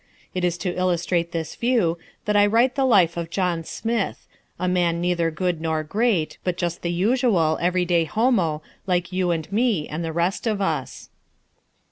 It is to illustrate this view that I write the life of John Smith, a man neither good nor great, but just the usual, everyday homo like you and me and the rest of us.